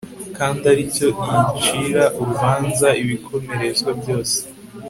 kandi ari yo icira urubanza ibikomerezwa byose